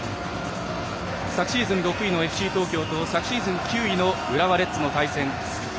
昨シーズン６位のＦＣ東京と昨シーズン９位の浦和レッズの対戦。